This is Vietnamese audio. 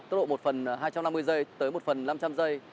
tốc độ một phần hai trăm năm mươi giây tới một phần năm trăm linh giây